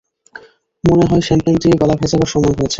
মনে হয়, শ্যাম্পেন দিয়ে গলা ভেজাবার সময় হয়েছে!